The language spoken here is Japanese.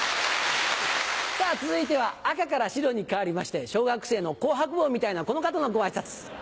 さぁ続いては赤から白に変わりまして小学生の紅白帽みたいなこの方のご挨拶。